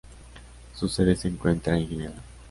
Su sede se encuentra en Ginebra.